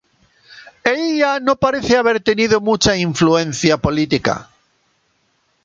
Ella no parece haber tenido mucha influencia política.